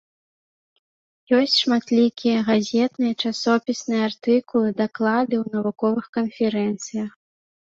Ёсць шматлікія газетныя, часопісныя артыкулы, даклады ў навуковых канферэнцыях.